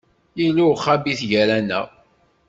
Yella uxabit gar-aneɣ.